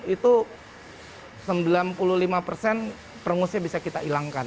itu sembilan puluh lima persen permusnya bisa kita hilangkan